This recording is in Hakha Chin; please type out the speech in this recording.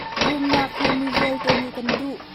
Rumnak hi mi vialte nih kan duh.